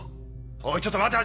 おいちょっと待て始！